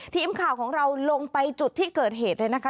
ทีมข่าวของเราลงไปจุดที่เกิดเหตุเลยนะคะ